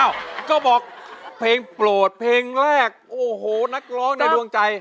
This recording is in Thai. ก็บอกเพลงโปรดเพลงแรกโอ้โหนักร้องในดวงใจ